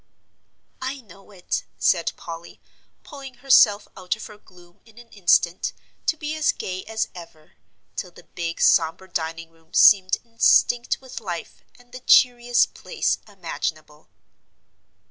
"I know it," said Polly, pulling herself out of her gloom in an instant, to be as gay as ever, till the big sombre dining room seemed instinct with life, and the cheeriest place imaginable.